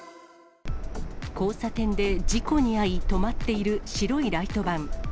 交差点で事故に遭い、止まっている白いライトバン。